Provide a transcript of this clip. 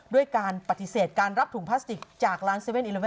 ด้วยการปฏิเสธการรับถุงพลาสติกจากร้าน๗๑๑